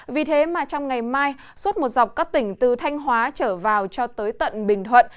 vì thế mà trong ngày mai suốt một dọc các tỉnh từ thanh hóa trở vào cho tới tận bình thuận